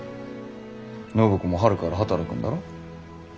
暢子も春から働くんだろ？